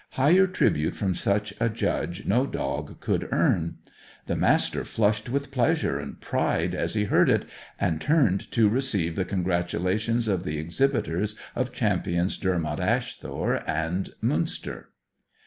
Higher tribute from such a Judge no dog could earn. The Master flushed with pleasure and pride as he heard it, and turned to receive the congratulations of the exhibitors of Champions Dermot Asthore, and Munster.